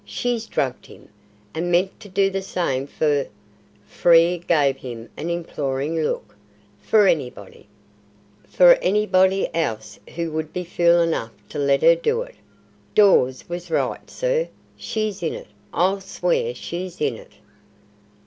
She's drugged him, and meant to do the same for" (Frere gave him an imploring look) "for anybody else who would be fool enough to let her do it. Dawes was right, sir. She's in it; I'll swear she's in it."